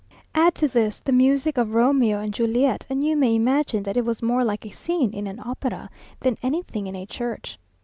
Add to this, the music of Romeo and Juliet, and you may imagine that it was more like a scene in an opera, than anything in a church.